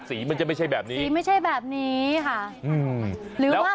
สีมันจะไม่ใช่แบบนี้ค่ะหรือว่า